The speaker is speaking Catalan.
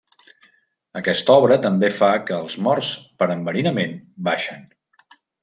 Aquesta obra també fa que els morts per enverinament baixen.